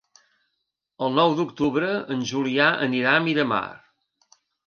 El nou d'octubre en Julià anirà a Miramar.